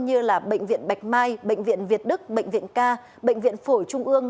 như bệnh viện bạch mai bệnh viện việt đức bệnh viện ca bệnh viện phổi trung ương